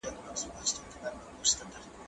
زه مخکي قلمان کارولي وو؟!